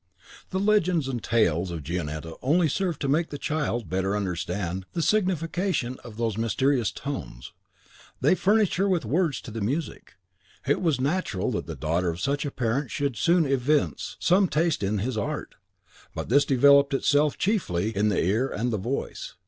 The legends and tales of Gionetta only served to make the child better understand the signification of those mysterious tones; they furnished her with words to the music. It was natural that the daughter of such a parent should soon evince some taste in his art. But this developed itself chiefly in the ear and the voice.